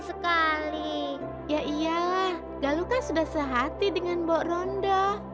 wah galuh kan sudah sehati dengan mbok ronda